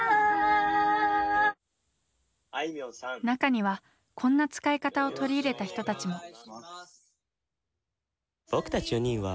中にはこんな使い方を取り入れた人たちも。